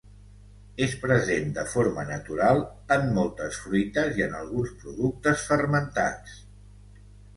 És present de forma natural en moltes fruites i en alguns productes fermentats.